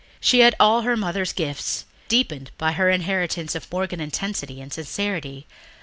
She had all her mother's gifts, deepened by her inheritance of Morgan intensity and sincerity